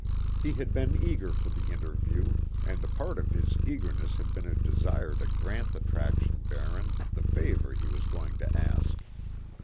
He had been eager for the interview and a part of his eagerness had been a desire to grant the traction baron the favor he was going to ask.